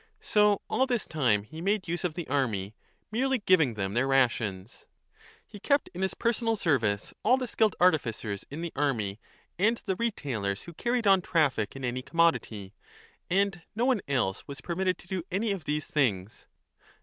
So all this time he made use of the army, merely giving them their rations. He kept in his personal service all the skilled artificers 30 in the army and the retailers who carried on traffic in any commodity ; and no one else was permitted to do any of these things.